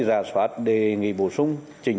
giả soát đề nghị bổ sung